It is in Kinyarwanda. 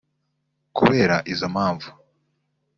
Kubera izo mpamvu